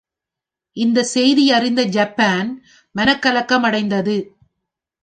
இந்தச் செய்தியறிந்த ஜப்பான் மனக்கலக்கமடைந்தது.